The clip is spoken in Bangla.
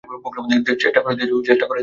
চেষ্টা করেই দেখ।